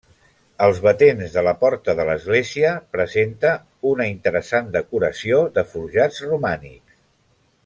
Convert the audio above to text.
Els batents de la porta de l'església presenta una interessant decoració de forjats romànics.